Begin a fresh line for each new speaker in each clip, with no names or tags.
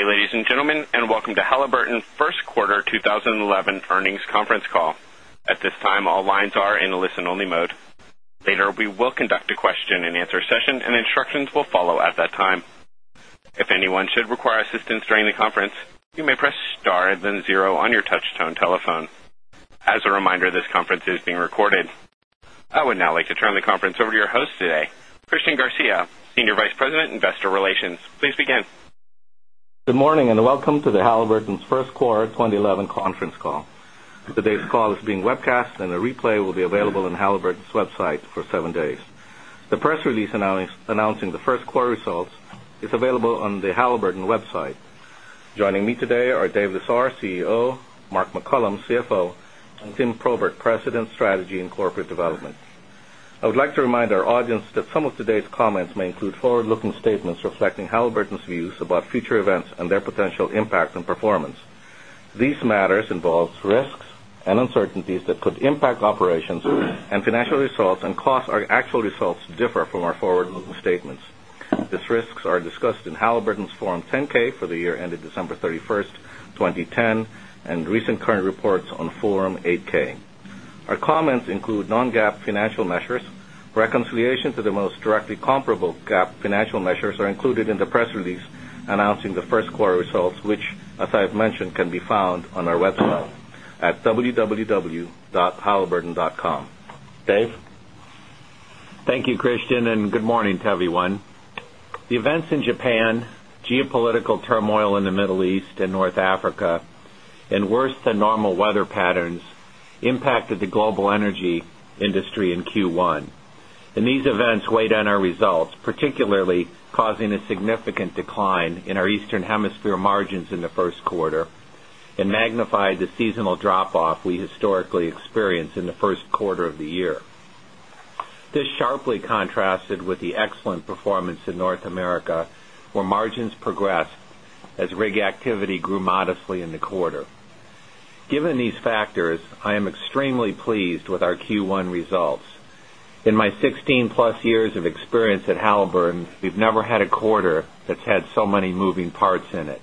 Good day, ladies and gentlemen, and welcome to Halliburton First Quarter 2011 Earnings Conference Call. At this time, all lines are in a listen only mode. Later, we will conduct a question and answer session and instructions will follow at that time. As a reminder, this conference is being recorded. I would now like to turn the conference over to your host today, Christian Garcia, Senior Vice President, Investor Relations. Please begin.
Good morning, and welcome to the Halliburton's 1st quarter 2011 conference call. Today's call is being webcast and a replay will be available on Halliburton's website for 7 days. The press release announcing the Q1 results is available on the Halliburton website. Joining me today are Dave Lissar, CEO Mark McCollum, CFO and Tim Probert, President, Strategy and Corporate Development. I would like to remind our audience that some of today's comments may include forward looking statements reflecting Halliburton's views about future events and their potential impact on performance. These matters involve risks and uncertainties that could impact operations and financial results and actual results to differ from our forward looking statements. These risks are discussed in Halliburton's Form 10 ks for the year ended December 31, 20 10, and recent current reports on Form 8 ks. Our comments include non GAAP financial measures. Reconciliation to the most directly comparable GAAP financial measures are included in the press release announcing the Q1 results, which, as I have mentioned, can be found on our website site at www.halliburton.com.
Dave? Thank you, Christian, and good morning to everyone. The events in Japan, geopolitical turmoil in the Middle East and North Africa and worse than normal weather patterns impacted the global energy industry in Q1. And these events weighed on our results, particularly causing a significant decline in our Eastern Hemisphere margins in the Q1 and magnified the seasonal drop off we historically experienced in the Q1 of the year. This sharply contrasted with the I am extremely pleased with our Q1 results. In my 16 plus years of experience at Halliburton, we've never had a quarter that's had so many moving parts in it.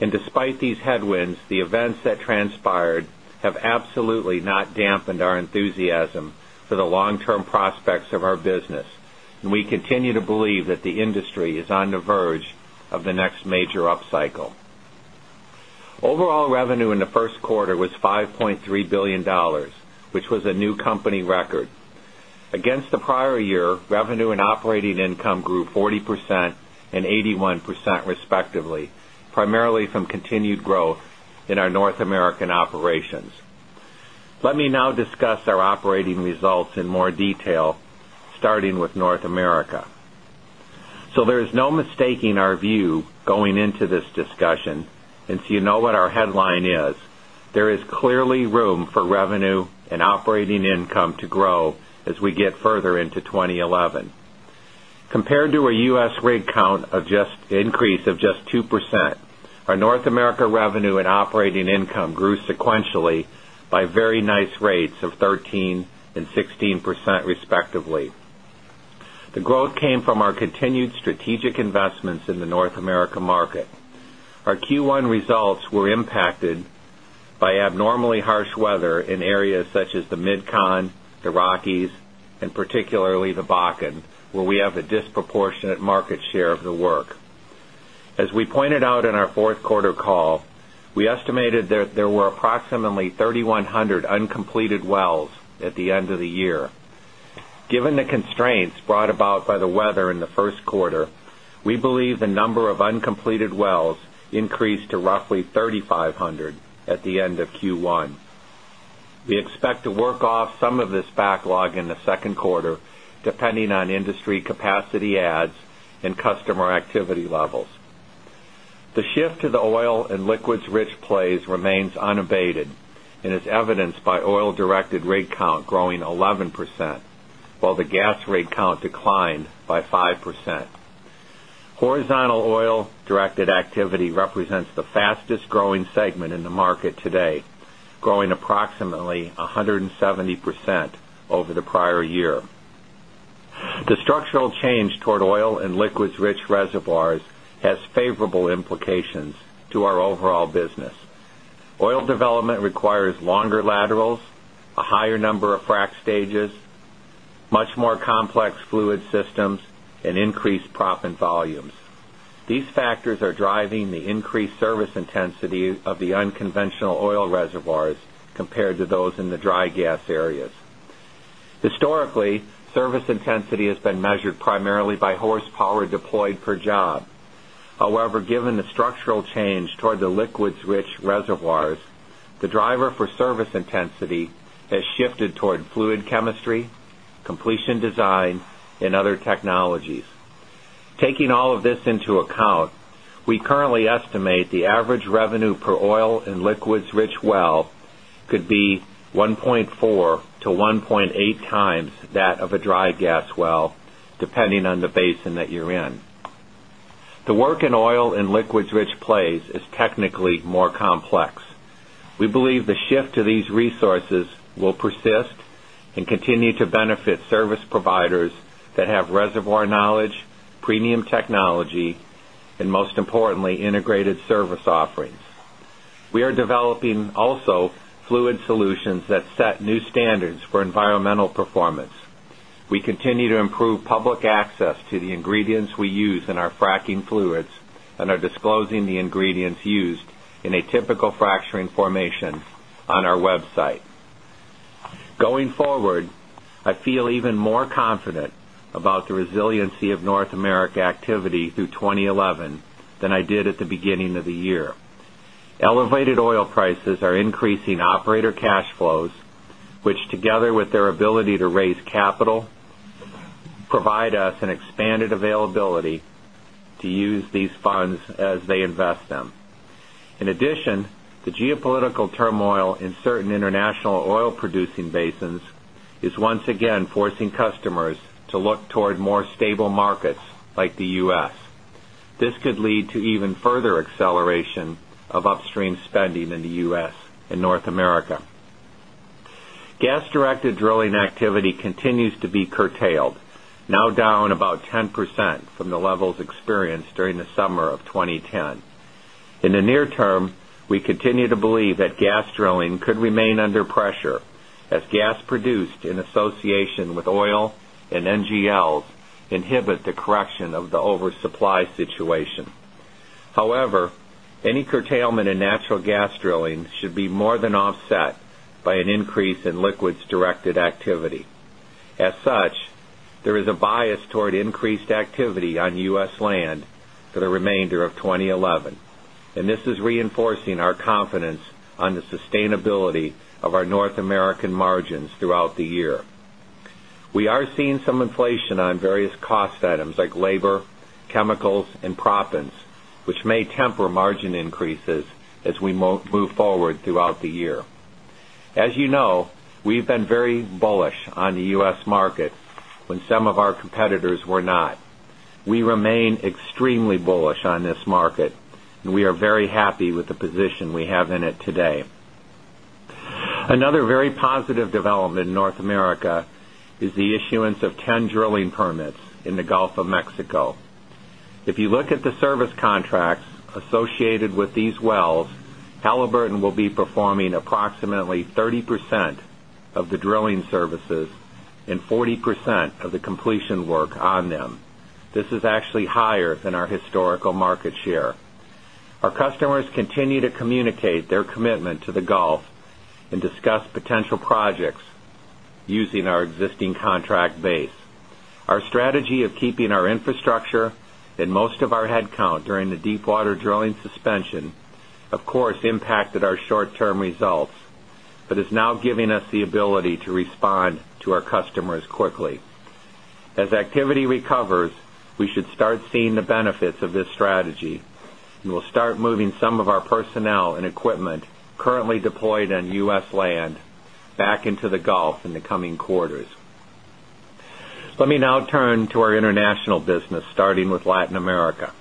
And despite these headwinds, the events that transpired have absolutely not dampened our our enthusiasm for the long term prospects of our business and we continue to believe that the industry is on the verge of the next major upcycle. Overall revenue in the Q1 was $5,300,000,000 which was a new company record. Against the prior year, revenue and operating income grew 40% and 81%, respectively, primarily from know what our headline is, there is clearly room for revenue and operating income to grow as we get further into 20 11. 20 nice rates of 13% 16% respectively. The growth came from our continued strategic investments in the North America market. Our Q1 results were impacted by abnormally harsh weather in areas such as the Mid Con, the Rockies and particularly the Bakken where we have a disproportionate market share of the work. As we pointed out in our Q4 call, we estimated that there were approximately 3,100 uncompleted wells at the end of the year. Given the constraints brought about by the weather in the Q1, we believe the number of uncompleted wells increased to roughly 3,500 at the end of Q1. We expect to work off some of this backlog in the second quarter depending on industry capacity adds and customer activity levels. The shift to the oil and liquids rich plays remains unabated and over the prior year. The structural change toward oil and liquids rich reservoirs has favorable implications to our overall business. Oil development requires longer laterals, a higher number of frac stages, much more complex fluid systems and increased proppant volumes. These factors are driving the increased service intensity of the unconventional oil reservoirs compared to those in the dry gas areas. Historically, service intensity has been measured primarily by horsepower deployed per job. However, given the structural change toward the liquids rich reservoirs, the driver for service intensity has shifted toward fluid chemistry, completion design and other technologies. Taking all of this into account, we currently estimate the average revenue per oil and liquids rich well could be 1.4 to 1.8 times that of a dry gas well depending on the basin that you're in. The work in oil and liquids rich plays is technically more complex. We believe the shift to these resources will persist and continue to benefit service providers that have reservoir knowledge, premium technology and most importantly integrated service offerings. We are developing also fluid solutions that set new standards for environmental
are
Elevated oil prices are increasing operator cash flows, which together with their ability to raise capital provide us an expanded availability to use these funds as they invest them. In addition, the geopolitical turmoil in certain S. This could lead to even S. This could lead to even further acceleration of upstream spending in the U. S. And North America. Gas directed drilling activity continues to be curtailed, now down about 10% from the levels experienced during the summer of 2010. 10. In in natural gas drilling should be more than offset by an increase in liquids directed activity. As such, there is a bias toward increased the sustainability of our North American margins throughout the year. We are seeing some inflation on various cost items like labor, chemicals and proppants, which may temper margin increases as we move forward throughout the year. As you know, we've been very bullish on the U. S. Market when some of our competitors were not. We remain extremely bullish on this market and we are very happy with the position we have in it today. Another very positive development in North America is the issuance of 10 drilling permits in the Gulf of Mexico. If you look at the service contracts associated with these wells, higher than our historical market share. Our customers continue to communicate their commitment to the Gulf and discuss potential projects using our existing contract base. Our strategy of keeping our infrastructure and most of our headcount some international business starting with Latin America.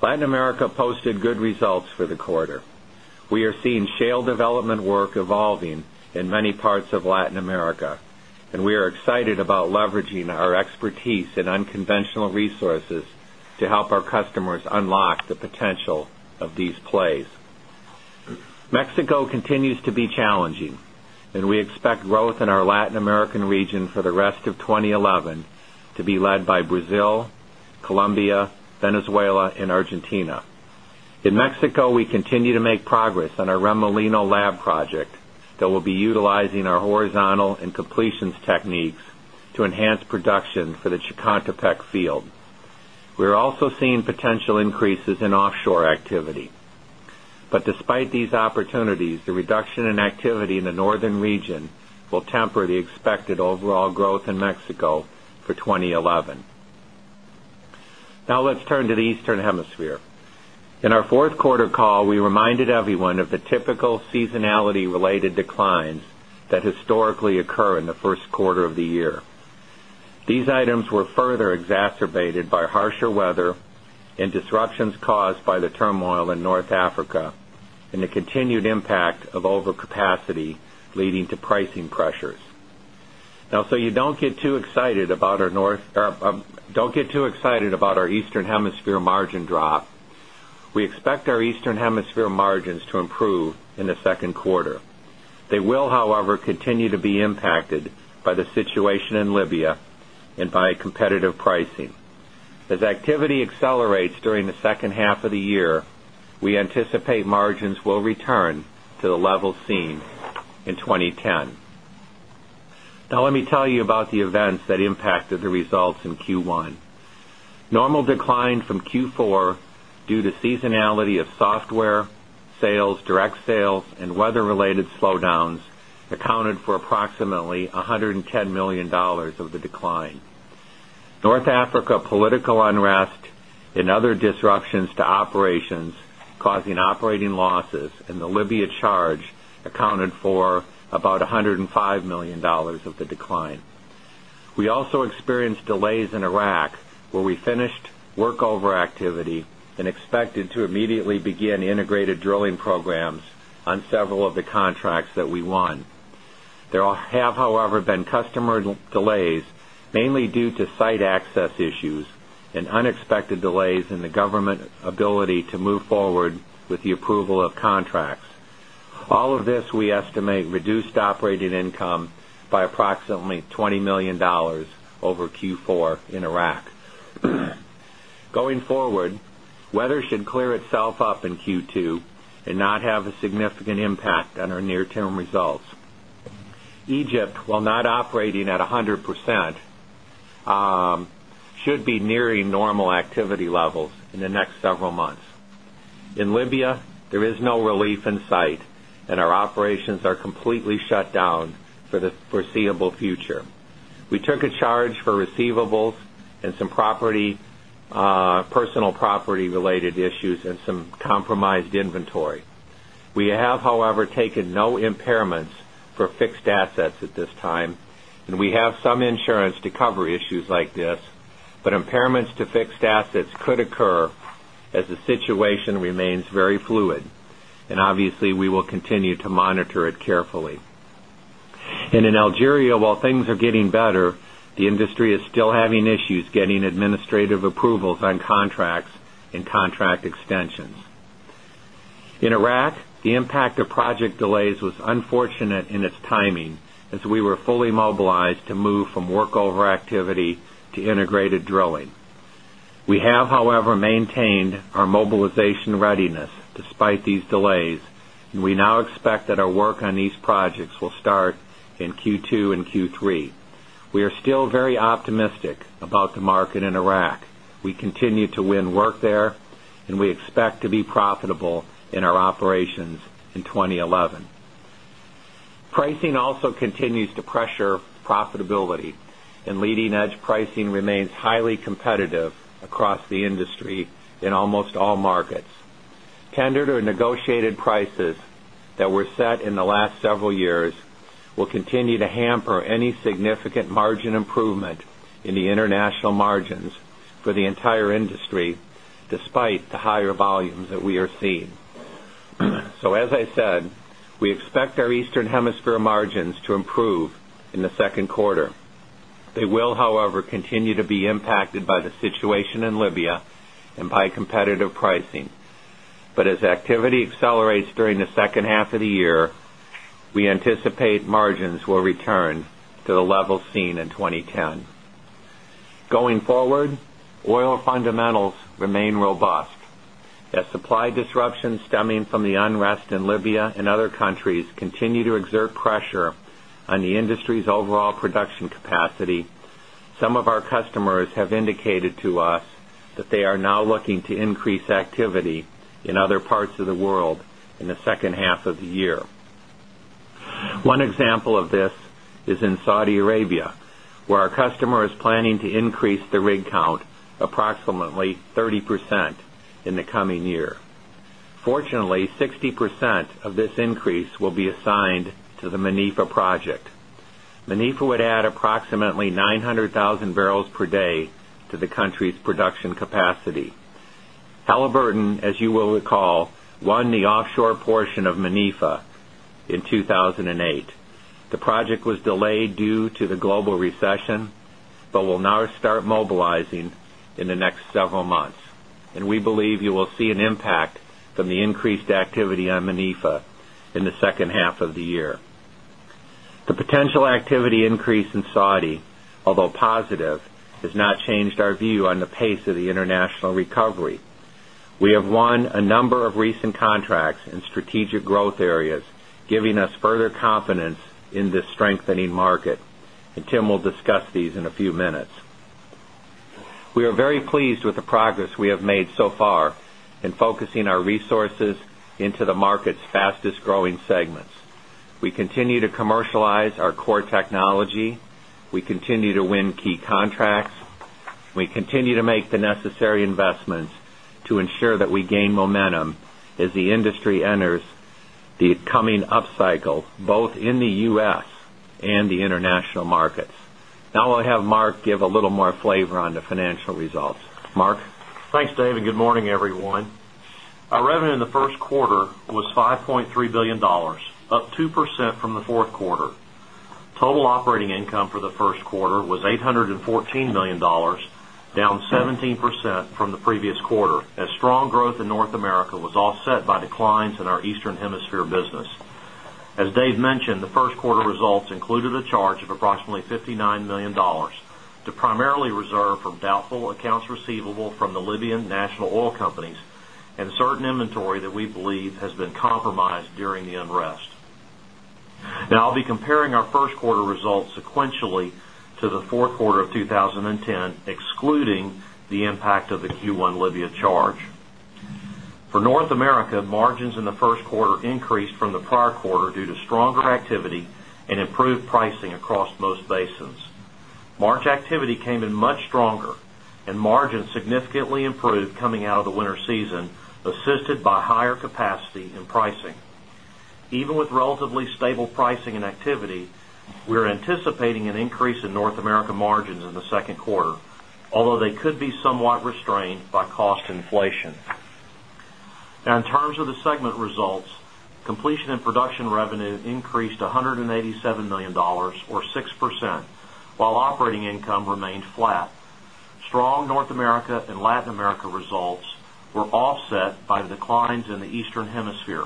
Latin America posted good results for the quarter. We are seeing shale development work evolving in many parts of Latin America and we are excited about leveraging our expertise in unconventional resources to help our our customers unlock the potential of these plays. Mexico continues to be challenging and we expect growth in our Latin American In Mexico, we continue to make progress on our Remolino lab project that will be utilizing our horizontal and completions these opportunities, the reduction in activity in the Northern region will temper the expected overall growth in Mexico for 20 11. Now let's turn to the Eastern Hemisphere. In our Q4 call, we reminded everyone of typical seasonality related declines that historically occur in the Q1 of the year. These items were further exacerbated by harsher weather and disruptions caused by the turmoil in North Africa and the continued impact of overcapacity leading to pricing pressures. Now so you don't get too excited about our North don't get too excited about our Eastern Hemisphere margin drop. We expect our Eastern Hemisphere margins to improve in the second quarter. They will, however, continue to be be tell you about the events that impacted the results in Q1. Normal declined from Q4 due to seasonality of software sales, direct sales and weather related slowdowns accounted for approximately $110,000,000 of the operating losses and the Libya charge accounted for about $105,000,000 of the decline. We also experienced delays in Iraq where we finished workover activity and expected to immediately begin integrated drilling programs on several of the contracts that we won. There have, however, been customer delays mainly due to site access issues and unexpected delays in the government ability to move forward with the approval of contracts. All of this we estimate reduced operating income by approximately 20 $1,000,000 over Q4 in Iraq. Going forward, weather should clear itself up Q2 and not have a significant impact on our near term results. Egypt, while not operating at 100%, should be nearing normal activity levels in the next several months. In Libya, there is no relief in sight and our operations are completely shut down for the foreseeable future. We took a charge for receivables and some property personal property related issues and some compromised inventory. We have, however, taken no impairments for fixed assets at this time and we have some insurance to cover issues like this, but impairments to fixed things are getting better, the industry is still having issues getting administrative approvals on contracts and contract extensions. In Iraq, the impact of project delays was unfortunate in its timing as we were fully mobilized to move from workover activity to integrated drilling. We have, however, maintained our mobilization readiness despite these delays and we now expect that our work on these projects will start in Q2 and Q3. We are still very optimistic about the market in Iraq. We continue to pressure profitability and leading edge pricing remains highly competitive across the industry in almost all markets. Kindred or negotiated prices that were set in the last several years will continue to hamper any significant margin improvement in the international margins for the entire industry despite the higher volumes that we are seeing. So as I said, we expect our Eastern Hemisphere margins to improve in the But as activity accelerates during the second half of the year, we anticipate margins will return to the levels seen in 2010. Going forward, oil fundamentals remain robust as supply disruptions stemming from the some second half of the year. One example of this is in Saudi Arabia, where our customer is planning to increase the rig count approximately 30% in the coming year. Fortunately, 60% of this increase will be assigned to the Munifah project. Munifah would add approximately 900,000 barrels per day to the country's production capacity. Halliburton, as you will recall, won the offshore portion of Munifah in 2,008. The project was delayed due to the global recession, but will now start mobilizing in the next several months. And we believe you will see an impact from the increased activity on MANIFA in the second half of the year. The potential activity increase in Saudi, although positive, has changed our view on the pace of the international recovery. We have won a number of recent contracts in strategic in strategic growth areas, giving us further confidence in this strengthening market, and Tim will discuss these in a few minutes. We are very pleased We are very pleased with the progress we have made so far in focusing our resources into the market's fastest growing segments. We continue to commercialize our core technology. We continue to win key contracts. We continue to make the necessary investments to ensure that we give a little more flavor on the financial results. Mark? Thanks, Dave, and
good morning, everyone. Our revenue in the first Hemisphere business. As Dave mentioned, the Q1 results included a charge of approximately $59,000,000 to primarily reserve from doubtful accounts receivable from the Libyan National Oil Companies and certain inventory that we believe has been compromised during the unrest. Now I'll comparing our Q1 results sequentially to the Q4 of 2010 excluding the impact of the Q1 Libya charge. For North America, margins in the Q1 increased from the prior quarter due to stronger activity and improved pricing across most basins. March activity came in much stronger and margin significantly improved coming out of the winter season assisted by higher capacity and pricing. Even with relatively stable pricing and activity, we are anticipating an increase in North America margins in the second quarter, although they could be somewhat restrained by cost inflation. Now in terms of the segment results, America and Latin America results were offset by declines in the Eastern Hemisphere,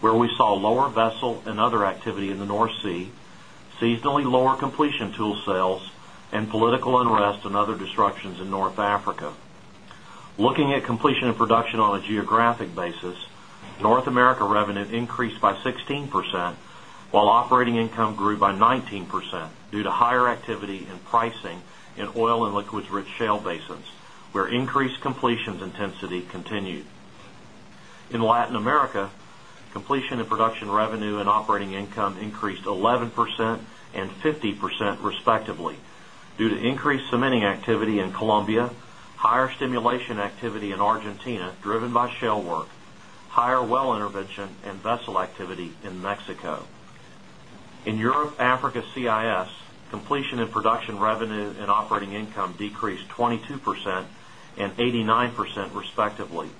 where we saw lower vessel and other activity in the North Sea, seasonally lower completion tool sales and political unrest and other disruptions in North Africa. Looking at completion and production on a geographic basis, North America revenue increased by 16%, while operating income grew by 19% due to higher activity and pricing in oil and liquids rich shale basins where increased completions intensity continued. In Latin America, completion and production revenue and operating income increased 11% 50% respectively due to increased cementing activity in Colombia, higher stimulation activity in Argentina driven by shale work, higher well intervention and vessel activity in Mexico. In Europe Africa CIS, completion and production revenue and operating income decreased 22% 89% respectively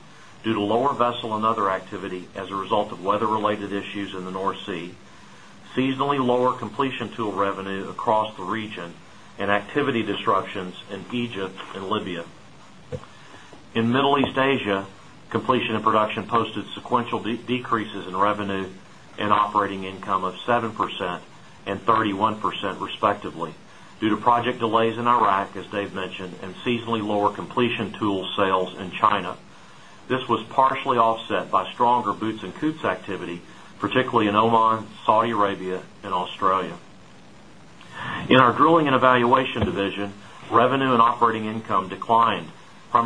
due to lower vessel and other activity as a result of weather related issues in the North Sea, seasonally lower completion tool revenue across the region and activity disruptions in Egypt and Libya. In Middle East Asia, completion and production posted sequential decreases in revenue and operating income of 7% and 31% respectively due to project delays in Iraq as Dave mentioned and seasonally lower completion tool a result of seasonally lower direct sales for wireline and landmark a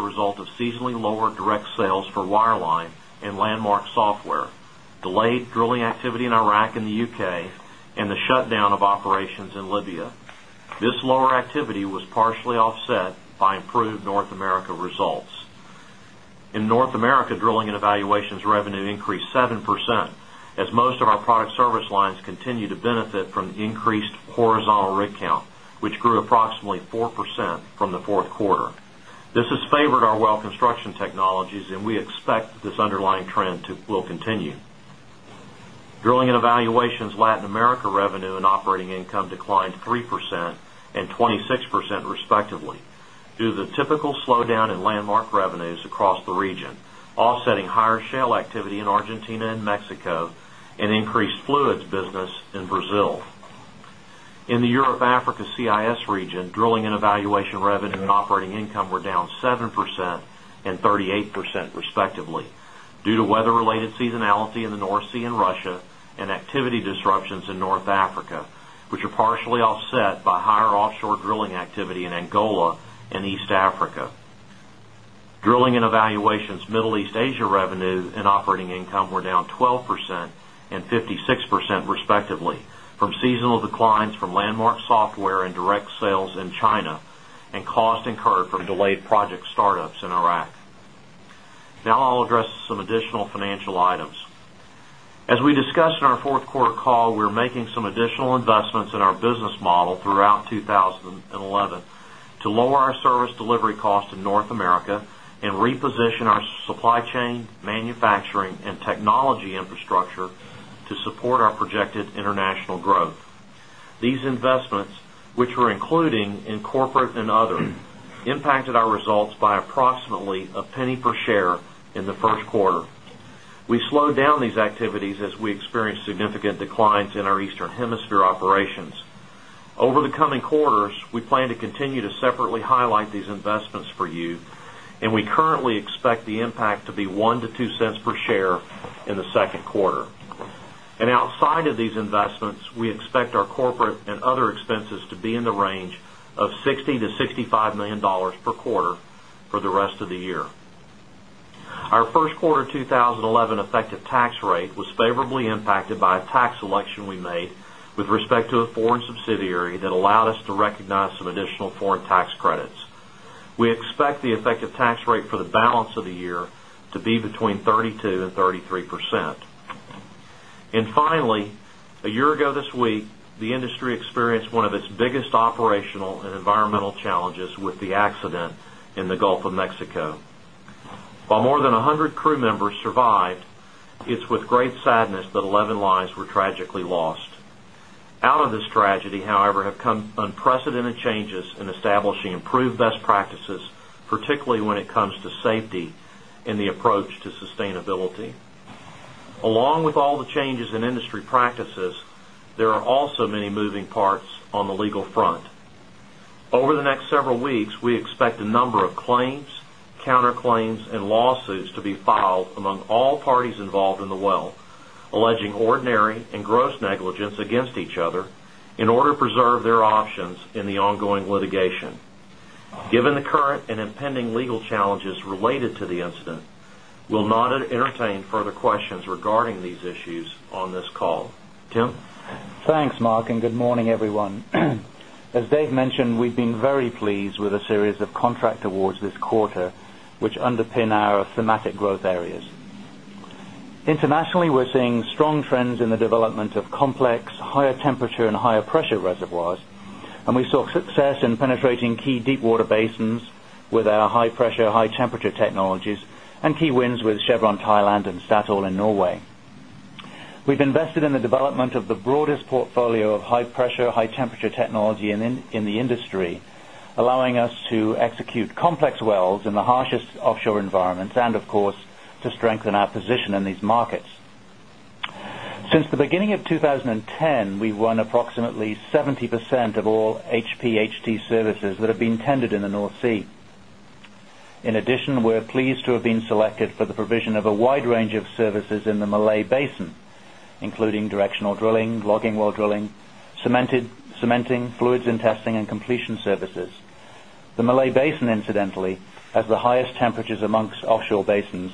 result of seasonally lower direct sales for wireline and Landmark Software, delayed drilling activity in Iraq and the shutdown of operations in Libya. This lower activity was partially offset by improved North America results. In North America, drilling and evaluations revenue increased 7% as most of our product service lines continue to benefit from increased horizontal rig count, which grew approximately 4% from the 4th quarter. This has favored our well construction technologies and we expect this underlying trend will continue. Drilling and Evaluation's Latin America revenue and operating income declined 3% and 26 percent respectively due to the typical slowdown in Landmark revenues across the region offsetting higher shale activity in Argentina and Mexico and increased fluids business in Brazil. In the Europe Africa CIS region, drilling and evaluation revenue and operating income were down 7% and 38% respectively due to weather related seasonality in the North Sea and Russia and activity disruptions in North Africa, which are partially offset by higher offshore drilling activity in Angola and East Africa. Declines from landmark software and direct sales in China and cost incurred from delayed project startups in Iraq. Now I'll address some additional financial items. As we discussed in our 4th quarter call, we are making some additional investments in our business model throughout support our projected international growth. These investments, which were including in corporate and other, impacted our results by approximately $0.01 per share in the Q1. We slowed down these activities as we experienced significant declines in our Eastern Hemisphere operations. Over the coming quarters, we plan to continue to separately highlight these investments for you and currently expect the impact to be $0.01 to $0.02 per share in the Q2. And outside of these investments, we expect our corporate and other expenses to be in the range of $60,000,000 to $65,000,000 per quarter for the rest of the year. Our first quarter 2011 effective tax rate was favorably impacted by a tax election we made with respect to a foreign subsidiary that allowed us to recognize some additional foreign tax credits. We expect the effective tax rate for the balance of the year to be between 32% environmental challenges with the accident in the Gulf of Mexico. While more than 100 crew members survived, it's with great sadness that 11 lives were tragically lost. Out of this tragedy, however, have come unprecedented changes establishing improved best practices, particularly when it comes to safety and the approach to sustainability. Along with all the changes in industry practices, there are also many moving parts on the legal front. Over the next several weeks, we expect of claims, counter claims and lawsuits to be filed among all parties involved in the well, alleging ordinary and gross negligence against each other in order to preserve their options in the ongoing litigation. Given the current and impending
Thanks, Mark, and good morning, everyone. As Dave mentioned, we've been very pleased with a series of contract awards this quarter, which underpin our thematic growth areas. Internationally, we're seeing strong trends in the development of complex higher temperature and higher pressure Thailand and Statoil in Norway. We've invested in the development of the broadest portfolio of high pressure, high temperature technology in the industry allowing us to execute complex wells in the harshest offshore environments and of course to strengthen our position in these markets. Since the beginning of 2010, we won approximately 70% of all HPHT services that have been tendered in the North Sea. In addition, we're pleased to have been selected for the provision of a wide range of services in the Malay Basin, including directional drilling, logging while drilling, cementing, fluids in testing and completion services. The Malay Basin incidentally has the highest temperatures amongst offshore basins.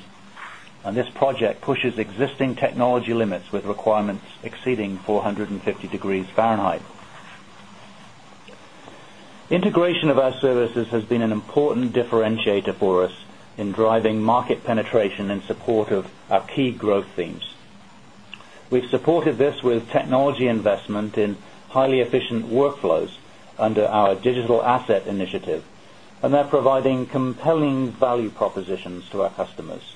And this project pushes existing technology limits with requirements exceeding 450 degrees Fahrenheit. Integration of our services has been an important differentiator for us in driving market penetration in support of our key growth themes. We've supported this with technology investment in highly efficient workflows under our digital asset initiative and they're providing compelling value propositions to our customers.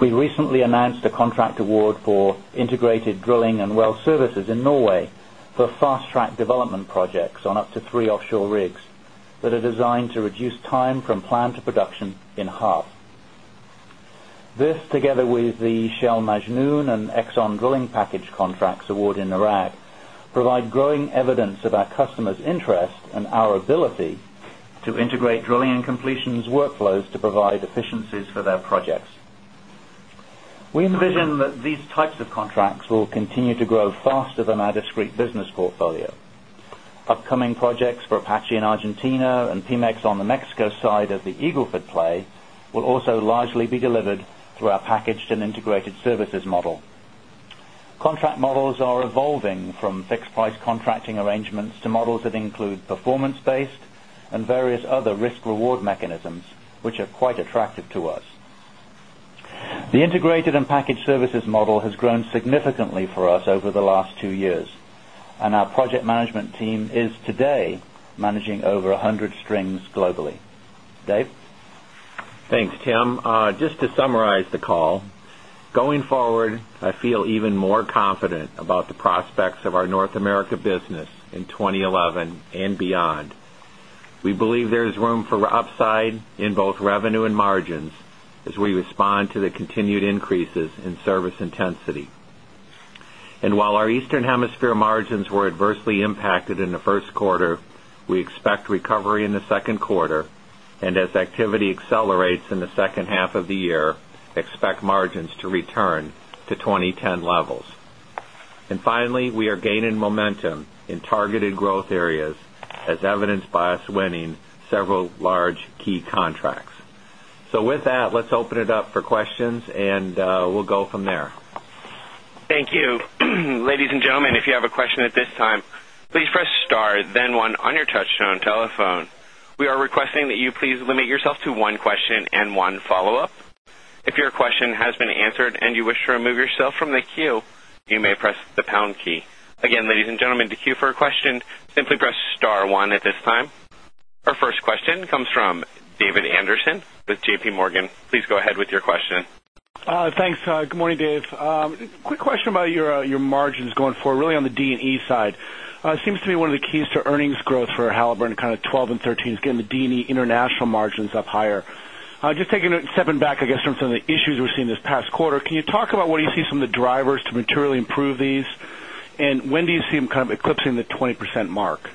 We recently announced a contract award for integrated drilling and well services in Norway for fast track development projects on up to 3 offshore rigs that are designed to reduce time from plant to production in half. This together with the Shell Majnoon and Exxon drilling package efficiencies for their projects. We envision that these types of contracts will continue to grow faster than our discrete business portfolio. Upcoming projects for Apache in Argentina and Pemex on the Mexico side of the Eagle Ford play will also largely be delivered through our packaged and integrated services model. Contract models are evolving from fixed price contracting arrangements to models that include performance based and various other risk reward mechanisms which are quite attractive to us. The integrated and
packaged services model has grown significantly for us over the last 2 years and our project management team is today managing over 100 strings globally. Dave? Thanks, Tim. Just to summarize the call, going forward, I feel even more confident about the prospects of our North America business in 2011 and beyond. We believe there is room for upside in both revenue and margins as we respond to the continued increases in service intensity. And while our Eastern Hemisphere margins were adversely impacted in the first quarter, we expect recovery in the second quarter and as activity accelerates in the second half of the year, expect margins to return to 20.10 levels. And finally, we are gaining momentum in targeted growth areas as evidenced by us winning several large key contracts. So with that, let's open it up for questions and we'll go from there.
Thank you.
Our first question comes from David Anderson with JPMorgan. Please go ahead with your question.
Thanks. Good morning, Dave. Quick question about your margins going forward really on the D and E side. It seems to be one of the keys to earnings growth for Halliburton kind of 1213 again the D and E international margins up higher. Just stepping back I guess from some of the issues we're seeing this past quarter, can you talk about what do you see some of the drivers to materially improve these? And when do you see them kind of eclipsing the 20% mark?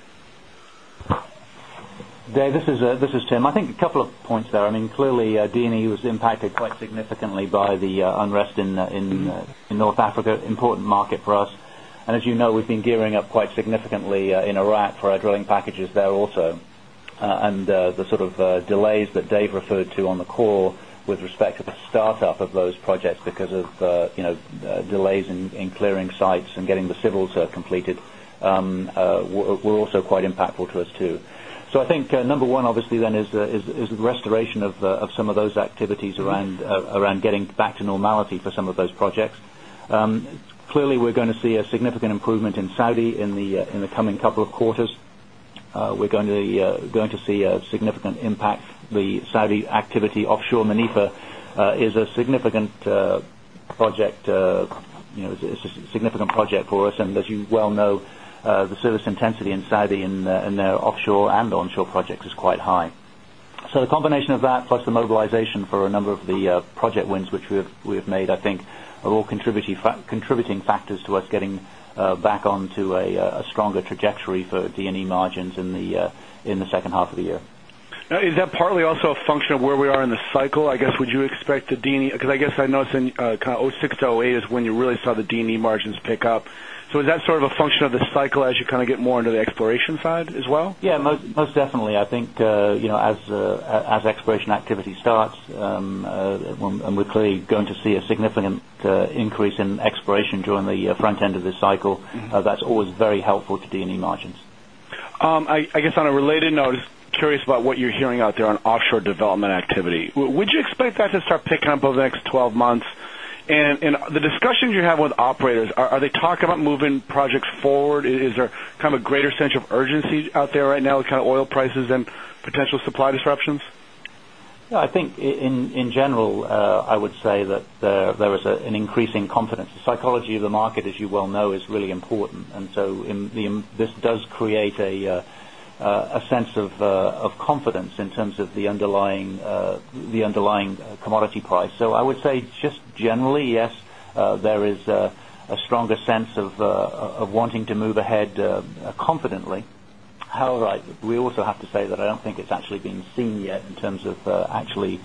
Dave, this is Tim. I think a couple of points there. I mean clearly D and E was impacted quite significantly by the unrest in North Africa, important market for us. And as you know, we've have been gearing up quite significantly in Iraq for our drilling packages there also. And the sort of delays that Dave referred to on the call with respect to the start up of those projects because of delays in clearing sites and getting the civils completed were also quite impactful to us too. So I think number 1 obviously then is the restoration of some of those activities around getting back to normality for some of those projects. Clearly, we're going to see a significant improvement in Saudi in the coming couple of quarters. We're going to see a significant impact. The Saudi activity offshore Munifa is a significant project for us. And as you well know, the service intensity in Saudi in their offshore and onshore projects is quite high. So the combination of that plus the mobilization for a number of the project wins which we have made I think are all contributing factors to us getting back on to a stronger trajectory for D and E margins in the second half of the year.
Is that partly also a function of where we are in the cycle? I guess would you expect the D and E because I guess I know it's kind of 'six to 'eight is when you really saw the D and E margins pick up. So is that sort of a function of the cycle as you get more into the exploration side as well?
Yes, most definitely. I think as exploration activity starts, and we're clearly going to see a significant increase in exploration during the front end of the cycle, that's always very helpful to D and E margins.
I guess on a related note, curious about what you're hearing out there on offshore development activity. Would you expect that to start picking up over the next 12 months? And the discussions you have with operators, are they talking about moving projects forward? Is there kind of a greater sense of urgency out there right now with kind of oil prices and supply disruptions?
I think in general, I would say that there is an increasing confidence. The psychology of the market as you well know is really important. So this does create a sense of confidence in terms of the underlying commodity price. So I would say just generally, yes, there is a stronger sense of wanting to move ahead confidently. However, we also have to say that I don't think it's actually been seen yet in terms of actually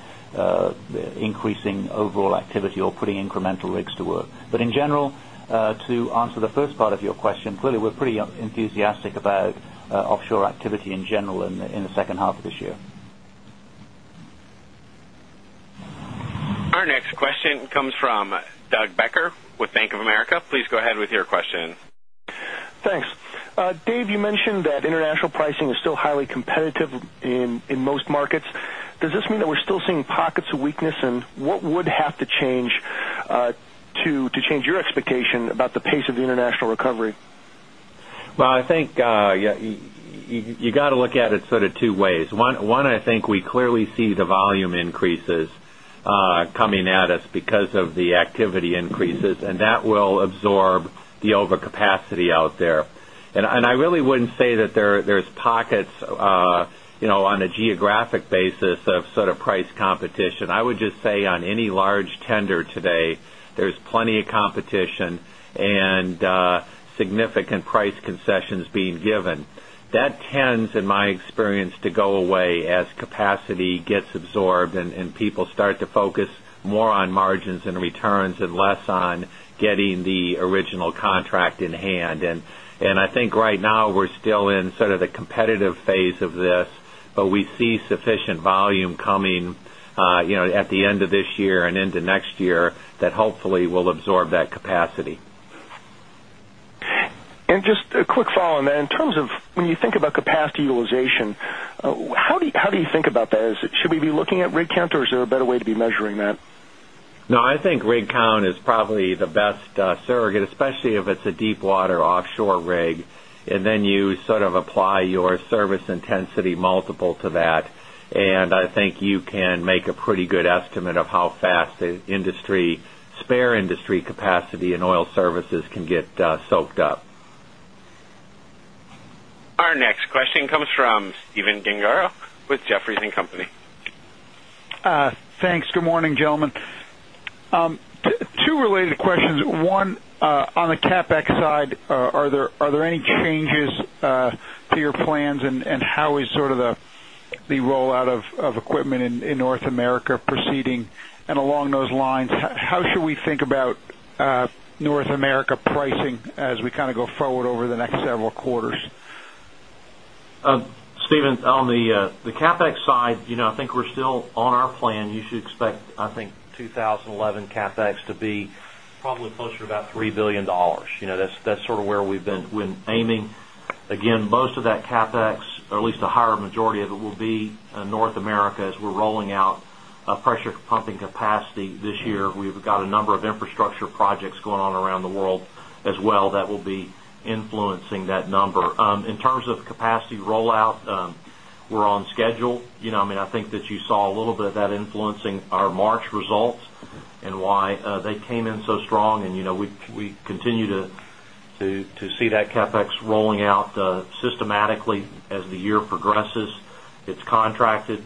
increasing overall activity or putting incremental rigs to work. But in general to answer the first part of your question, clearly we're pretty enthusiastic about offshore activity in general in the second half of this year.
Our next question comes from Doug Becker with Bank of America. Please go ahead with your question.
Thanks. Dave, you mentioned that international pricing is still highly competitive in most markets. Does this mean that we're still seeing pockets of weakness and what would have to change to change your expectation about the pace of
volume increases coming at us because of the activity increases and that will absorb the overcapacity out there. And I really wouldn't say that there's pockets on a geographic basis of sort of price competition. I would just say on any large tender today, there's plenty of competition and significant price concessions being given. That tends less on getting the original contract in hand. And I think right now we're still in sort of the competitive phase of this, but we see sufficient volume coming at the end of this year and into next year that hopefully will absorb that capacity.
At rig count or is there a better way to be measuring that?
No, I think rig count is probably the best surrogate, especially if it's a deepwater offshore rig and then you sort of apply your service intensity multiple to that. And I think you can make a pretty good estimate of how fast the industry, spare industry capacity in oil services can get soaked up.
Our next question comes from Stephen Gengaro with Jefferies and Company.
Thanks. Good morning, gentlemen. 2 related questions. 1, on the CapEx side, are there any changes to your plans? And how is sort of the rollout of equipment in North America proceeding and along those lines, how should we think about North America pricing as we kind of go forward over the next several quarters?
Stephen, on the CapEx side, I think we're still on our plan. You should expect I think 20 11 CapEx to be probably closer to about $3,000,000,000 That's sort of where we've been aiming. Again, most of that CapEx or at least a higher majority of it will be North America as we're rolling out pressure pumping capacity this year. We've got number of infrastructure projects going on around the world as well that will be influencing that number. In terms of capacity rollout, we're on schedule. I mean, I think that you saw a little bit of that influencing our March results and why they came in so strong. And we continue to see that CapEx rolling out systematically as the year progresses. It's contracted.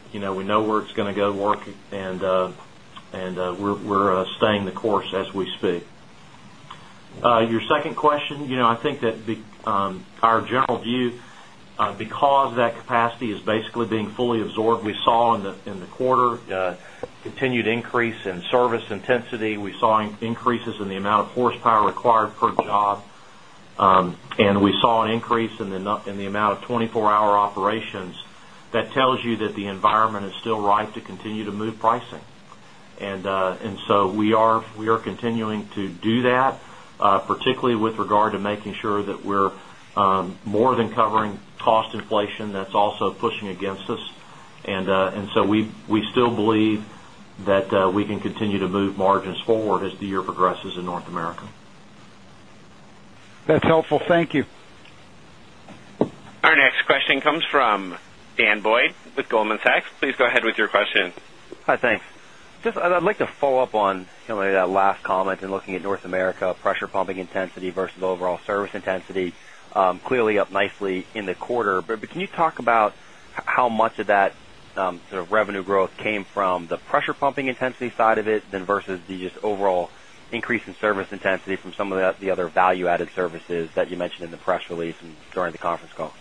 Second question, I think that our general view because that capacity is basically being fully absorbed, we saw in the quarter continued increase in service intensity. We saw increases in the amount of horsepower required per job. We saw an increase in the amount of 24 hour operations that tells you that the environment is still right to continue to move pricing. And so we are continuing to do that, particularly with regard to making sure that we're more than covering cost inflation that's also pushing against us. And so we still believe that we can continue to move margins forward as the year progresses in North America.
That's helpful. Thank you.
Our next question comes from Dan Boyd with Goldman Sachs. Please go ahead with your question.
Hi, thanks. Just I'd like to follow-up on that last comment and looking at North America pressure pumping intensity versus overall service intensity, clearly up nicely in the quarter. But can you talk about how much of that sort of revenue growth came from the pressure pumping intensity side of it than versus the just overall increase intensity from some of the other value added services that you mentioned in the press release and during the conference call?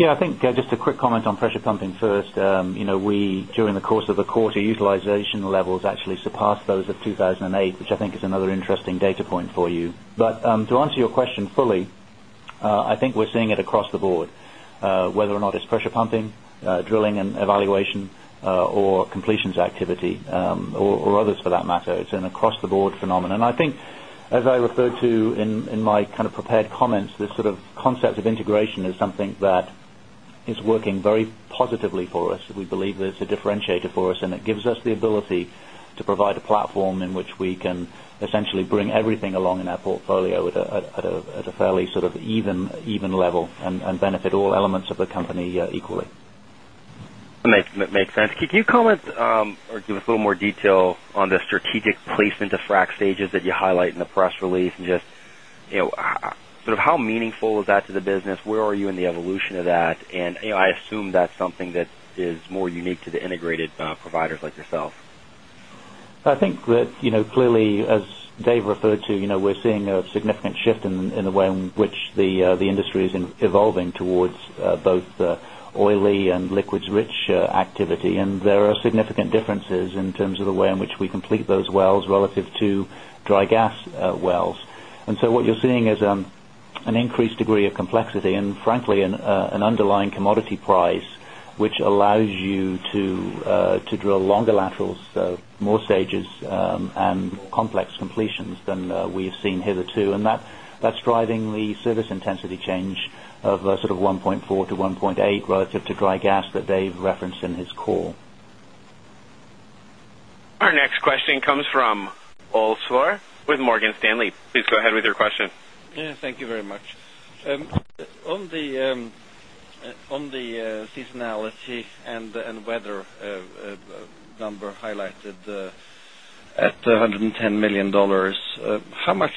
Yes, I think just a quick comment on pressure pumping first. We during the course of the quarter utilization levels actually surpassed those of 2,008, which I think is another interesting data point for you. But to answer your question fully, I think we're seeing it across the board whether or not it's pressure pumping, drilling and evaluation or completions activity or others for that matter. It's an across the board phenomenon. I think as I referred to in my kind of prepared comments, this sort of concept of integration is something that is differentiator for us and it gives us the ability to provide a platform in which we can essentially bring everything along in our portfolio at a fairly sort of even level and benefit all elements of the company equally. Makes sense. Could you comment
or give us a little more detail on the strategic placement of frac stages that you highlight in the press release and just sort of how meaningful is that to the business? Where are you in the evolution of that? I assume that's something that is more unique to the integrated providers like yourself?
I think that clearly as Dave referred to, we're seeing a significant shift in the way in which the industry is evolving towards both oily and liquids rich activity. And there are significant differences in terms of the way in which we complete those wells relative to dry gas wells. And so what you're seeing is an increased degree of complexity and frankly an underlying commodity price which allows you to drill longer laterals, more stages and more complex completions than we have seen hitherto. And that's driving the service intensity change of sort
of 1.4 to 1.8 relative to dry
question
much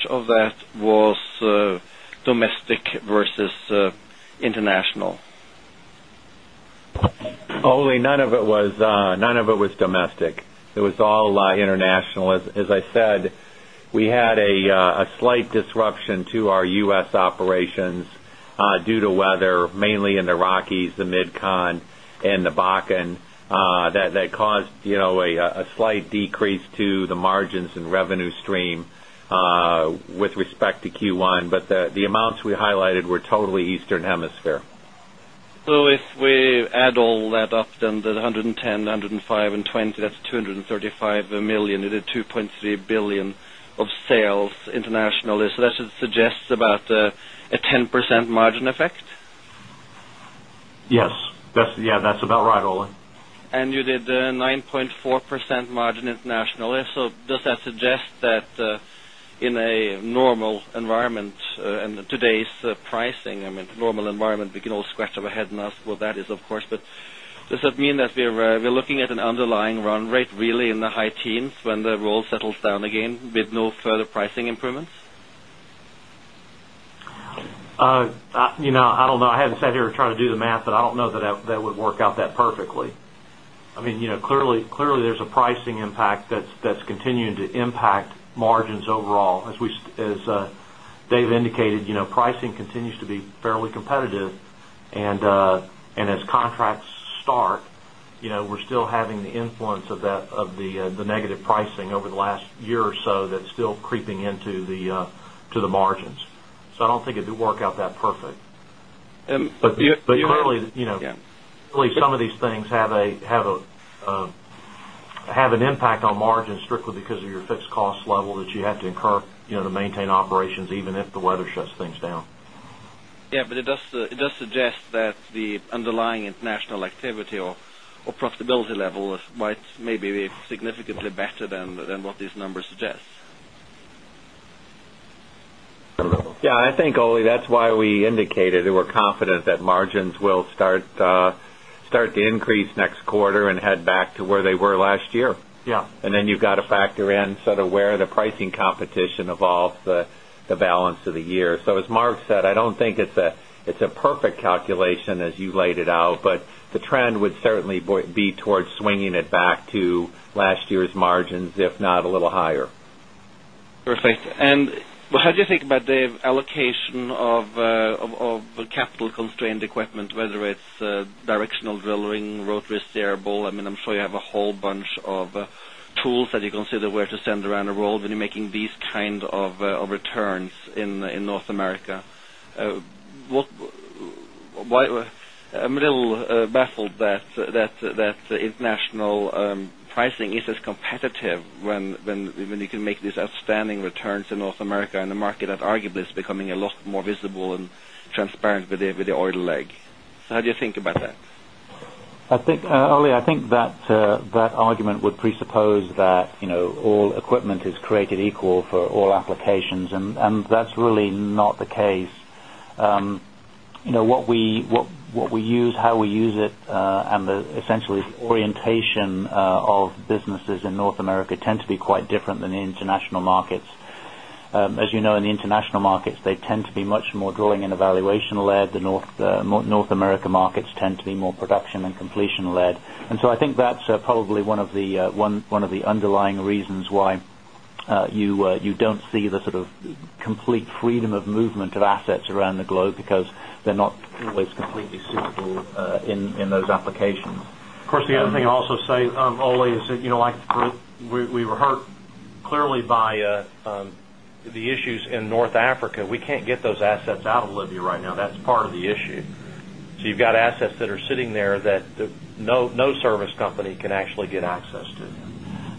of that was domestic versus international?
Only none of it was domestic. It was all international. As I said, we had a slight disruption to our U. S. Operations due to weather mainly in the Rockies, the Mid Con and the Bakken that caused a slight decrease to the margins and revenue stream with respect to Q1. But the amounts we highlighted were totally Eastern Hemisphere.
So if we add all that up, then the €110,000,000 €105,000,000 and 20,000,000 that's €235,000,000,000 is a €2,300,000,000 of sales internationally. So that should suggest about a 10% margin effect?
Yes. That's about right, Olin.
And you did 9.4% margin internationally. So does that suggest that in a normal environment and today's pricing, I mean, normal environment, we can all scratch our head and ask what that is, of course. But does that mean that we're looking at an underlying run rate really in the high teens when the roll settles down again with no further pricing improvements?
I don't know. I haven't sat here and tried to do the math, but I don't know that that would work out that perfectly. I mean, clearly, there's a pricing impact that's continuing to impact margins overall. As Dave indicated pricing continues to be fairly competitive. And as last year or so that's still creeping into the margins. So I don't think it would work out that perfect. But clearly some of these things have an impact on margins strictly because of your fixed cost level that you have to incur to maintain operations even if the weather shuts things down.
Yes, but it does suggest that the underlying international activity or profitability level might maybe be significantly better than what these numbers suggest.
Yes, I think, Oli, that's why we indicated that we're confident that margins will start to increase next quarter and head back to where they were last year. Yes. And then you've got to factor in sort of where the pricing competition evolves the balance of the year. So as Mark said, I don't think it's a perfect calculation as you laid it out, but the trend would certainly be towards
capital constrained equipment, whether it's directional drilling, rotary steerable? I mean, I'm sure you have a whole bunch of tools that you consider where to stand around the world when you're making these kinds of returns in North America. What I'm a little baffled that international pricing is as competitive when you can make these outstanding returns in North America and the market that arguably is becoming a lot more visible and leg. So how do you think about that?
I think Oli, I think that argument would presuppose presuppose that all equipment is created equal for all applications and that's really not the case. What we use, how we use it and essentially orientation of businesses in North America tend to be quite different than the international markets. As you know, in the international markets, they tend to be much more drilling in a valuation led. The North America markets tend to be more production and completion led. And so I think that's probably one of the underlying reasons why you don't see the sort of globe because they're not always completely suitable in those applications.
Of course, the other thing I'll also say, Oli, is that like the growth we were hurt clearly by the issues in North Africa. We can't get those assets out of Libya right now. That's part of
the issue. So you've got assets that are sitting there that no service company can actually get access to.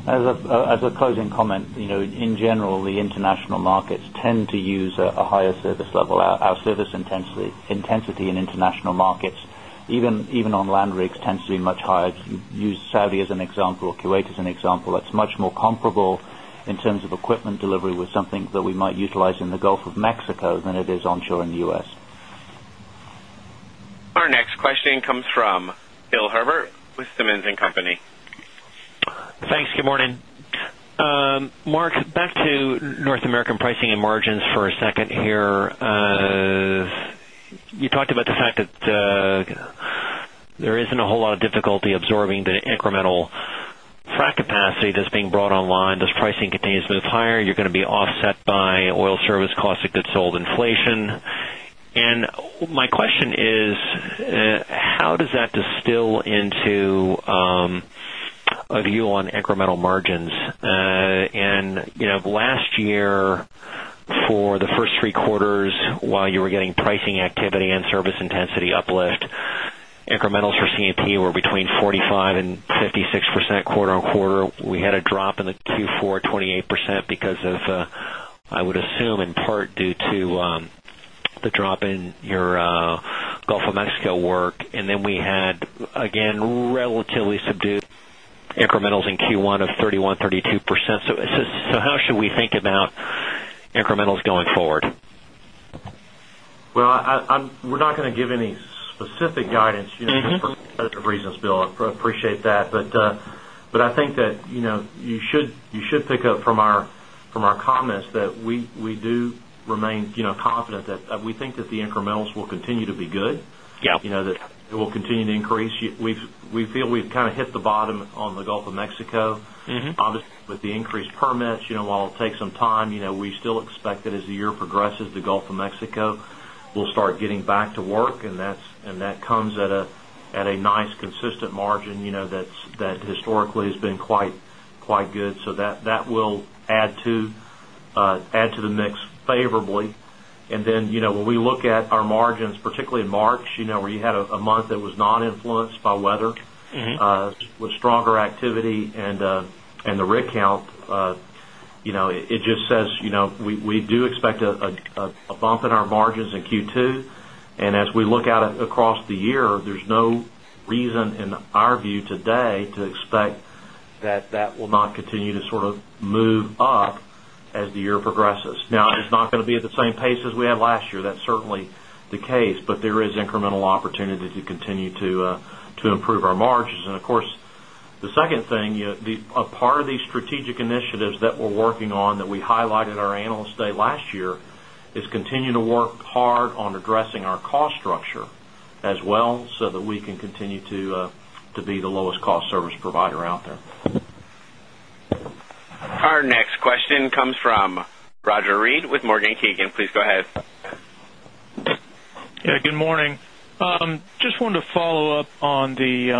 As a closing comment, in general, the international markets tend to use a higher service level. Our service intensity in international markets, even on land rigs, tends to be much higher. You use Saudi as example or Kuwait as an example. That's much more comparable in terms of equipment delivery with something that we might utilize in the Gulf of Mexico than it is onshore in U. S.
Our next question comes from Bill Herbert with Simmons and Company.
Thanks. Good morning. Mark, back to North American pricing and margins for a second here. You talked about the fact that there isn't a whole lot of difficulty absorbing the incremental frac capacity that's being brought online. Does pricing continue to move higher? You're going to be offset by oil service caustic goods sold inflation. And my question is, how does that distill into a view on incremental margins? And last year for the first three quarters, while you were getting pricing activity and service intensity uplift, incrementals for C and P were between 5% and 56% quarter on quarter. We had a drop in the Q4 of 28% because of I would assume in part due to the drop in your Gulf of Mexico work. And then we had again relatively subdued
not going to give any specific guidance for competitive reasons Bill. I appreciate that. But I think that you should pick up from our comments that we do remain confident that we think that the incrementals will continue to be good. It will continue to increase. We feel we've kind of hit the bottom on the Gulf of Mexico. Obviously with the increased permits, while it will take some time, we still expect that as the year progresses the Gulf of Mexico will start getting back to work and that comes at a nice consistent margin that historically has been quite good. So that will to the mix favorably. And then when we look at our margins particularly in March where you had a month that was not influenced by weather with stronger activity and the rig count, it just says we do expect a bump in our margins in Q2 and as we look at it across the year, there's no reason in our view today to expect that that will not continue to sort of move up as the year progresses. Now it's not going to be at the same pace as we had last year. That's certainly the case, but there is incremental opportunity to continue to improve our margins. And of course, the second thing, a part of these strategic initiatives that we're working on that we highlighted at our Analyst Day last year is continue to work hard on addressing our cost structure as well
so that we can continue to be
the lowest cost service provider out there.
Our next question comes from Roger Read with Morgan Kiegan. Please go ahead.
Yes, good morning. Just wanted to follow-up on the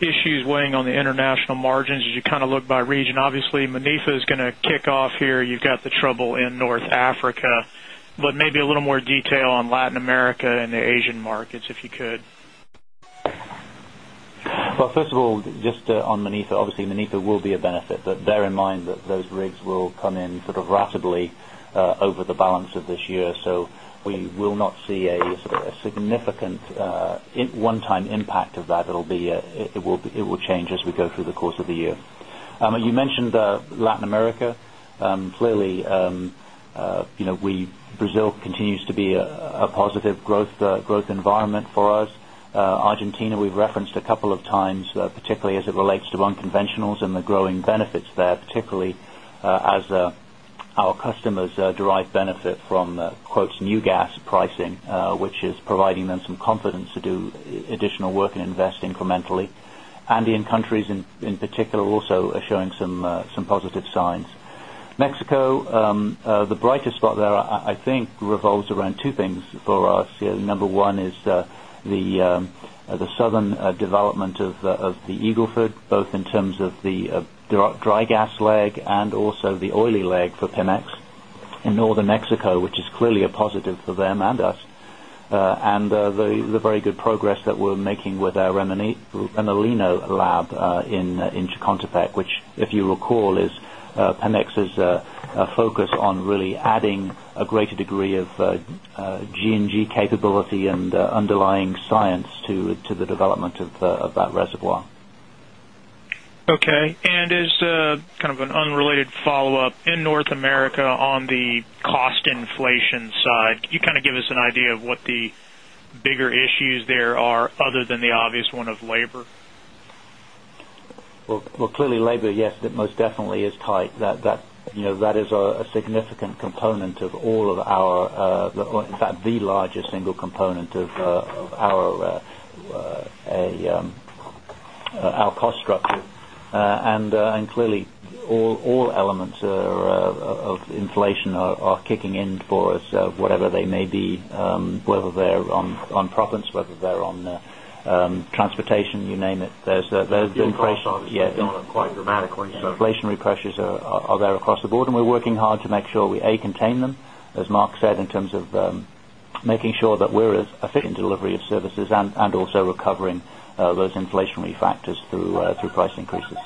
issues weighing on the international margins as you kind of look by region. Obviously, Munifah is going to kick off here. You've got the trouble in North Africa, but maybe a little more detail on Latin America and the Asian markets if you could?
Well, first of all just on Munitha. Obviously, Munitha will be a benefit. But bear in mind that those rigs will come in sort of ratably over the balance of this year. So we will not see a significant one time impact of that. It will be it will change as we go through the course of the year. You mentioned Latin America. Clearly, Brazil continues to be a positive growth environment for us. Argentina we've referenced a couple of times particularly as it relates to unconventionals and the growing benefits there and and invest incrementally. Andean countries in particular also are showing some positive signs. Mexico, the brightest spot there I think revolves around 2 things for us. Number 1 is the southern development of the Eagle Ford both in terms of the dry gas leg and also the oily leg for Pemex in Northern Mexico which is clearly a positive for them and us. And the very good progress that we're making with our penalino lab in Intercontopec which if you recall is Pemex's focus on really adding a greater degree of GNG capability and underlying science to the development of that reservoir.
Okay. And as kind of an unrelated follow-up, in North America on the cost inflation side, can you kind of give us an idea of what the bigger issues there are other than the obvious one of labor?
Well, clearly labor, yes, it most definitely is tight. That is a significant component of all of our in fact the largest proppants, whether they're on transportation, you name it. There's inflation. Quite dramatically. Inflationary pressures are there across the board and we're working hard to make sure we contain them as Mark said in terms of making sure that we're as efficient delivery of services and also recovering those inflationary factors through price increases.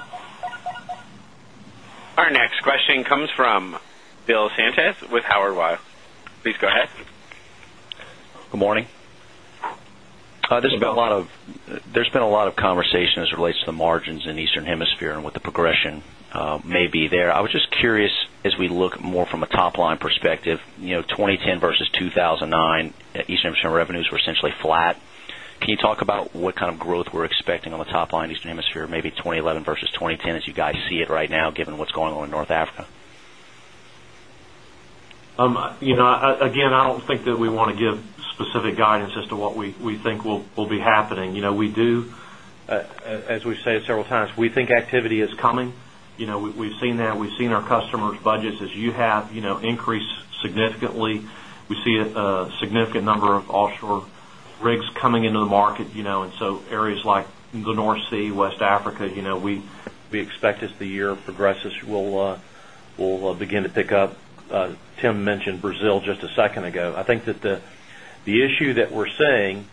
Our next question comes from Bill Sanchez with Howard
Weil. There's been a lot of conversation as it relates to the margins in Eastern Hemisphere and what the progression may be there. I was just curious as we look more from a top line perspective, 2010 versus 2,009 Eastern Hemisphere revenues were essentially flat. Can you talk about what kind of growth we're expecting on the top line Eastern Hemisphere maybe 2011 versus 2010 as you guys see it right now given what's going on in North Africa?
Again, I don't think that we want to give specific guidance as to what we think will be happening. We do as we've said several times, we think activity is coming. We've seen that. We've seen our customers' budgets as you have increased significantly. We see a significant number of offshore rigs coming into the market. And so areas like the North Sea, West Africa, we expect as the year issue that we're seeing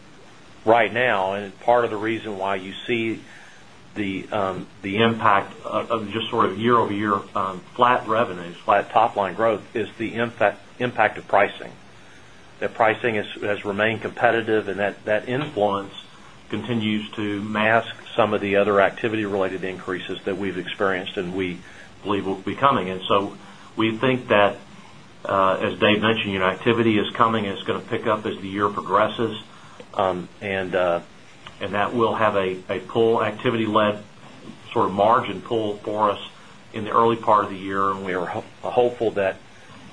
right now and part of the reason why you see the impact of just sort of year over year flat revenues, flat top line growth is the impact of pricing. The pricing has remained competitive and that influence continues to mask some of the other activity related increases that we've experienced and we believe will be coming. And so we think that as Dave mentioned activity is coming. It's going to pick up as the year progresses. And that will have a pull activity led sort of margin pull for us in the early part of the year and we are hopeful that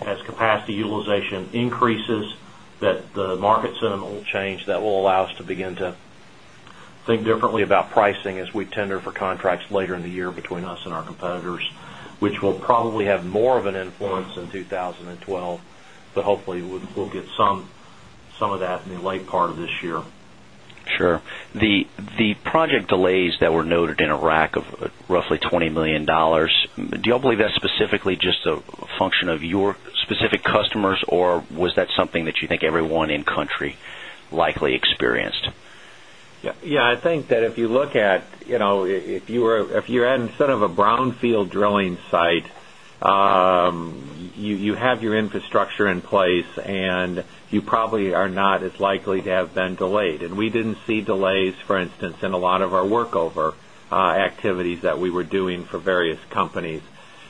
as capacity utilization increases that the market sentiment will change that will allow us to begin to think differently about pricing as we tender for contracts later in the year between us and our competitors, which will probably have more of an influence in 2012. But hopefully, we'll get some of that in the late part of this year.
Sure. The project delays that were noted in Iraq of roughly $20,000,000 do you all believe that's specifically just a function of your specific customers or was that something that you think everyone in country likely experienced?
Yes, I think that if you look at if you're at instead of a brownfield drilling site, you have your infrastructure in place and you probably are not as likely to have been delayed. And we didn't see delays for instance in a lot of our workover activities that we were doing for various companies.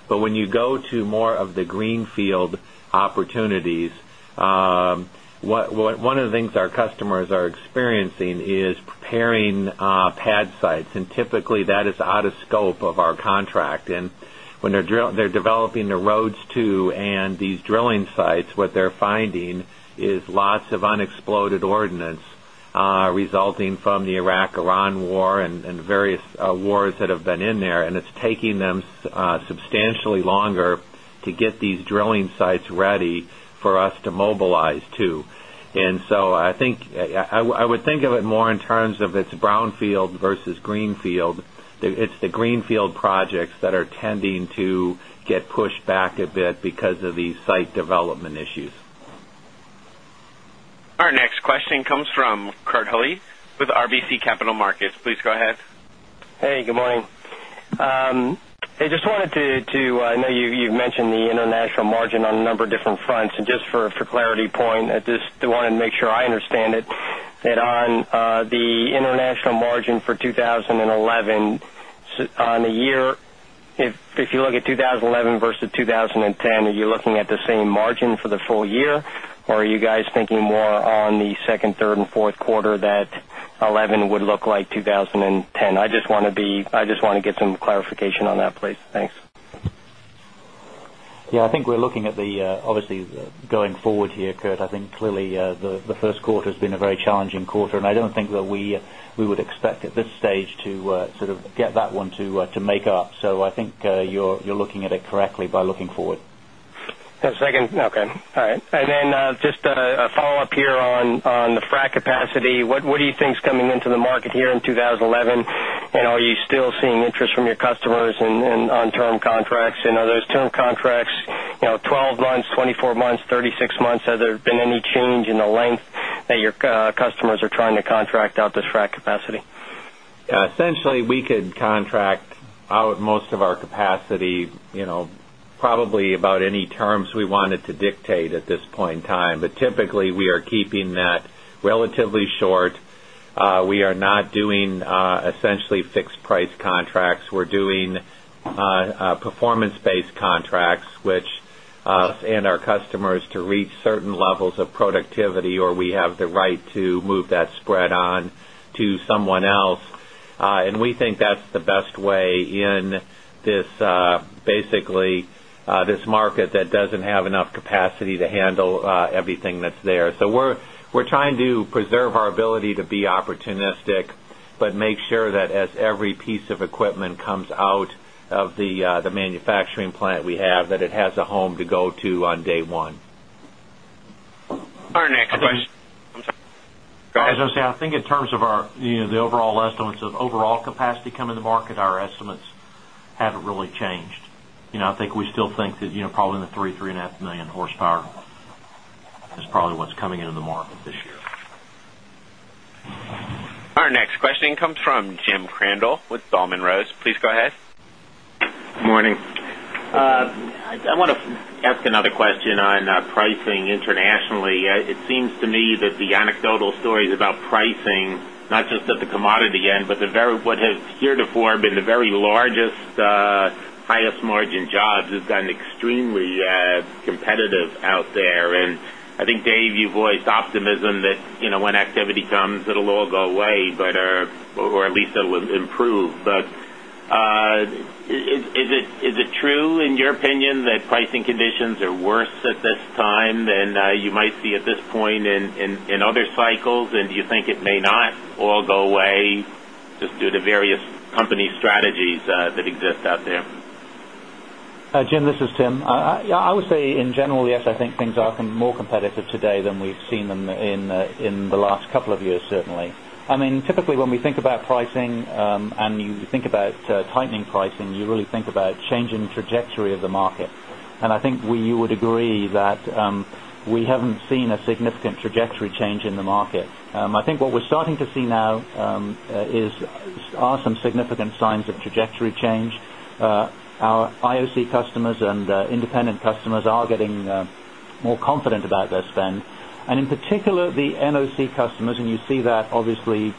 But when you go to more of the greenfield opportunities, one of the things our customers are experiencing is preparing pad sites and typically that is out of scope of our contract. And when they're developing the roads too and these drilling sites, what they're finding is lots of unexploded ordinance resulting from the Iraq, Iran war and various wars that have been in there and it's taking them substantially longer to get these drilling sites ready for us to mobilize to. And so I would think of it more in terms of its brownfield versus greenfield. It's the greenfield projects that are tending to get pushed back a bit because of the site development issues.
Our next question comes from Kurt Halle with RBC Capital Markets. Please go ahead.
Hey, good
morning. I just wanted to I know you've mentioned the international margin on a number different fronts. And just for clarity point, I just wanted to make sure I understand it. Margin for 2011, on the year, if you look at 2011 versus 2010, are you looking at the same margin for the full year? Are you guys thinking more on the second, 3rd and 4th quarter that 2011 would look like 2010? I just want to be I just want to get some clarification on that, please. Thanks.
Yes, I think we're looking at the obviously going forward here Kurt, I think clearly the first quarter been a very challenging quarter and I don't think that we would expect at this stage to sort of get that one to make up. So I think you're looking at it correctly by looking forward.
Yes, second. Okay. All right. And then just a follow-up here on the frac capacity. What do you think is coming into the market here in 2011? And are you still seeing interest from your customers on term contracts? And are those term contracts 12 months, 24 months, 36 months, have there been any change in the length that your customers are trying to contract out this frac capacity?
Essentially, we could contract out most of our capacity probably about any terms we wanted to dictate at this point in time. But typically we are keeping that relatively short. We are not doing essentially fixed price contracts. We're doing performance based contracts, which customers to reach certain levels of productivity or we have the right to move that spread on to someone else. And we think that's the best way in this basically this market that doesn't have enough capacity to everything that's there. So we're trying to preserve our ability to be opportunistic, but make sure that as every piece of equipment comes out of the manufacturing plant we have that it has a home to go to on day 1.
Question I think in terms of our the overall estimates of overall capacity come in the market, our estimates haven't really changed. I think we still think that probably in the 3,000,000, 3,500,000 horsepower is probably what's coming into the market this year.
Our next
question on pricing internationally. It seems to me that the anecdotal story is about pricing, not just at the commodity end, but the very what has heretofore been the very largest highest margin jobs has done extremely competitive out there. And I think, Dave, you voiced optimism that when activity comes, it will all go away, but or at least it will improve. But is it true in your opinion that pricing conditions are worse at this time than you might see at this point in other cycles? And do you think it may not all go away just due to various company strategies that exist out there?
Jim, this is Tim. Yes, I would say, in general, yes, I think things are more competitive today than we've seen them in the last couple of years, certainly. I mean, typically when we think about pricing and you think about tightening pricing, you really think about changing the trajectory of the market. And I think you would agree that we haven't seen a significant trajectory change in the market. I think what we're starting to see now are some significant signs of trajectory change. Our IOC customers and independent customers are getting more confident about their spend. And in particular, the NOC customers and you see that obviously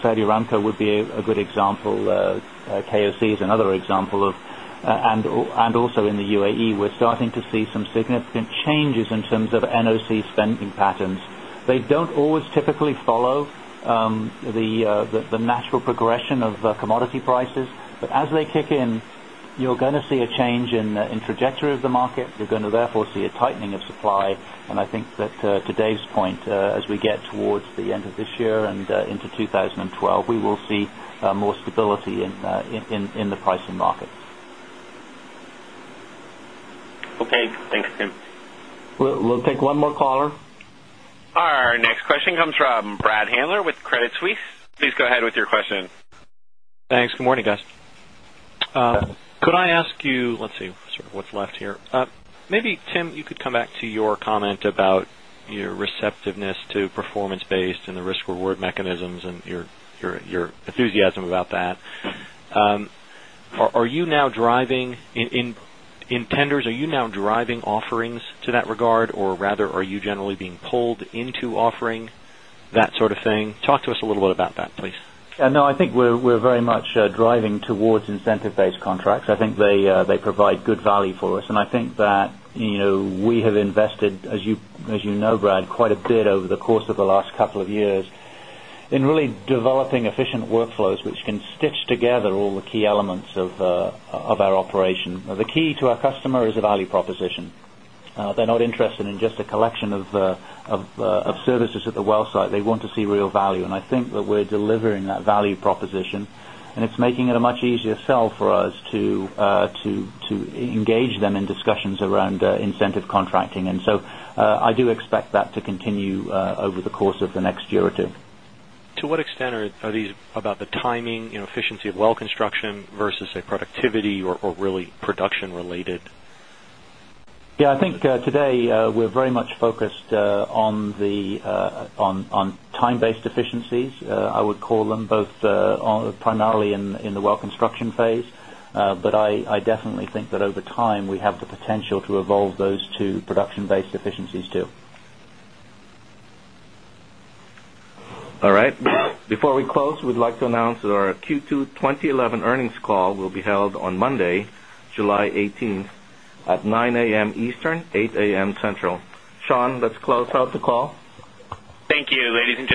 Saudi Aramco would be a good example. KOC is another example of and also in the UAE, we're starting to see some significant changes in terms of
NOC spending patterns. They don't always typically follow
the natural progression of commodity prices. But as they kick in, you're going to see a change in trajectory of the market. You're going to therefore see a tightening of supply. And I think that to Dave's point, as we get towards the end of this year and into 2012, we will see more stability in the pricing markets.
Okay. Thanks, Tim.
We'll take one more caller.
Our next question comes from Brad Handler with Credit Suisse. Please go ahead with your question.
Thanks. Good morning, guys. Could I ask you, let's see what's left here. Maybe Tim, you could come back to your comment about your receptiveness to performance based and the risk reward mechanisms and your driving offerings to that regard or rather are you generally are you now driving offerings to that regard or rather are you generally being pulled into offering that sort of thing?
Talk to us a little bit about that please. No, I think we're very much driving towards incentive based contracts. I think they provide good value for us. And I think that we have invested as you know Brad quite a bit over the course of the last couple of years in really developing efficient workflows which can stitch together all the key elements of our operation. The key to our customer is a value proposition. They're not interested in just a collection of services at the well site. They want to see real value. And I think that we're delivering that value proposition and it's making it a much easier sell for us to engage them in discussions around incentive contracting. And so I do expect that to continue over the course of the next year or 2.
To what extent are these about the timing, efficiency of well construction versus a productivity or really production related?
Efficiencies. I would call them both primarily in the well construction phase. But I definitely think that over time we have the potential to evolve those 2 production based efficiencies
8 am Central. Sean, let's close out the call.
Thank you. Ladies